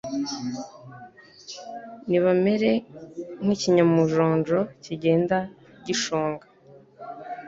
Nibamere nk’ikinyamujongo kigenda gishonga